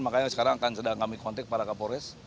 makanya sekarang sedang kami kontik para kapolres